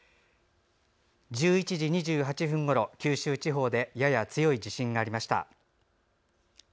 １１時２８分ごろ、九州地方でやや強い地震がありました。